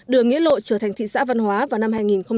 đưa nghĩa lộ trở thành thị xã văn hóa vào năm hai nghìn hai mươi